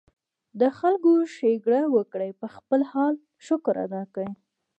د خلکو ښېګړه وکړي ، پۀ خپل حال شکر ادا کړي